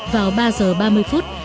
vào ba giờ ba mươi phút